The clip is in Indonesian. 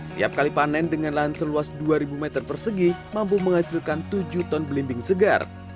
setiap kali panen dengan lahan seluas dua ribu meter persegi mampu menghasilkan tujuh ton belimbing segar